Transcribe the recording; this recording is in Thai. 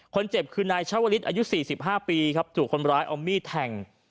คนเจ็บคือนายชาวลิศอายุ๔๕ปีครับถูกคนร้ายเอามีดแทง